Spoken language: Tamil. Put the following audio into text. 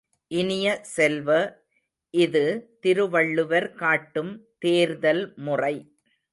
இனிய செல்வ, இது திருவள்ளுவர் காட்டும் தேர்தல் முறை.